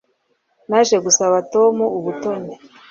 Naje gusaba Tom ubutoni